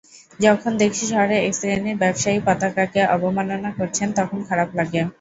যখন দেখি, শহরে একশ্রেণির ব্যবসায়ী পতাকাকে অবমাননা করছেন, তখন খারাপ লাগে।